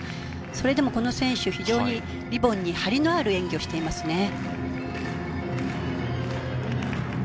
それでもこの選手非常にリボンに張りのある演技をしていますね。